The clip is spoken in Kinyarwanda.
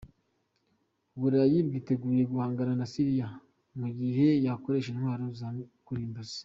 U Burayi bwiteguye guhangana na Siriya mu gihe yakoresha intwaro za kirimbuzi